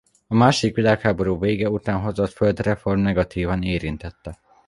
A második világháború vége után hozott földreform negatívan érintette.